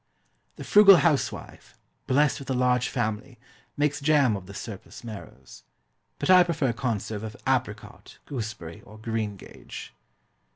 The frugal housewife, blessed with a large family, makes jam of the surplus marrows; but I prefer a conserve of apricot, gooseberry, or greengage.